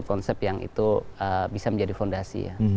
untuk bisa menjadi fondasi ya